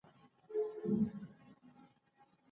که لارښود موجود وي نو زده کوونکی نه سرګردانه کېږي.